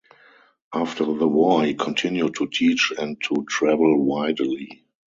After the war he continued to teach and to travel widely.